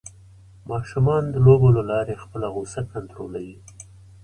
ماشومان د لوبو له لارې خپل غوسه کنټرولوي.